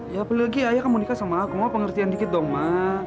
ya apalagi ayah kamu nikah sama aku mau pengertian dikit dong mah